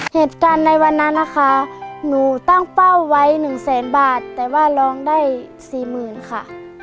เหตุการณ์ในวันนั้นนะคะหนูตั้งเป้าไว้๑แสนบาทแต่ว่าร้องได้สี่หมื่นค่ะ